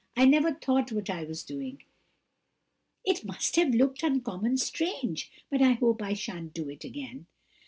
I never thought what I was doing. It must have looked uncommon strange, but I hope I shan't do it again."